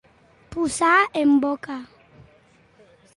Posar en boca.